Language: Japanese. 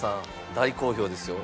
大好評ですよ。